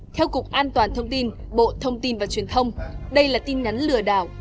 theo cục an toàn thông tin bộ thông tin và truyền thông đây là tin nhắn lừa đảo